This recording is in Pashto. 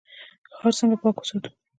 ښار څنګه پاک وساتو؟